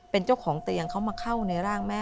เป็นเจ้าของเตียงเขามาเข้าในร่างแม่